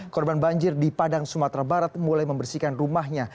korban banjir di padang sumatera barat mulai membersihkan rumahnya